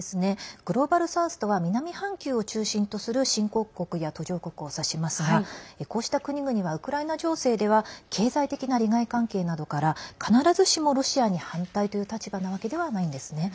グローバル・サウスとは南半球を中心とする新興国や途上国を指しますがこうした国々はウクライナ情勢では経済的な利害関係などから必ずしもロシアに反対という立場なわけではないんですね。